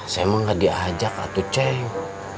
saya memang tidak di ajak atut ceng